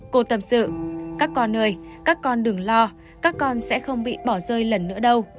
cô tập sự các con ơi các con đường lo các con sẽ không bị bỏ rơi lần nữa đâu